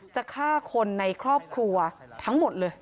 จะฆ่าคนในครอบครัวทั้งหมดเลย